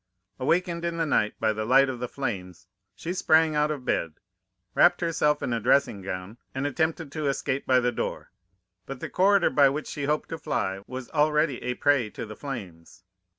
Awakened in the night by the light of the flames, she sprang out of bed, wrapped herself in a dressing gown, and attempted to escape by the door, but the corridor by which she hoped to fly was already a prey to the flames.